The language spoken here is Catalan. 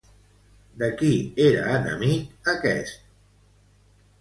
De qui era enemic aquest?